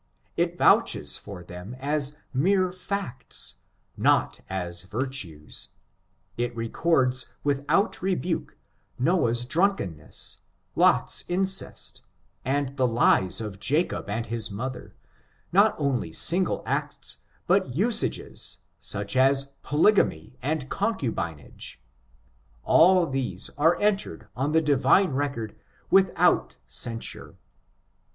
It vouches for them as mere facts, not as virtues. It records without rebuke, Noah's drunkenness, Lot's incest, and the lies of Jacob and his mother, not only single acts, but usageSf such as polygamy and concubinage; all these are entered on the divine record without censure.